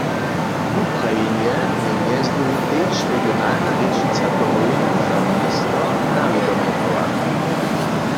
Wuprajenje je mjez druhim tež regionalna rěčnica Domowiny za město na wědomje brała.